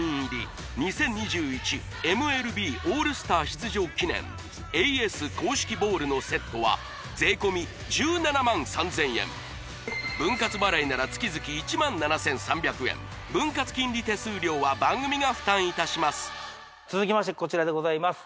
出場記念ＡＳ公式ボールのセットは税込１７万３０００円分割払いなら月々１万７３００円分割金利手数料は番組が負担いたします続きましてこちらでございます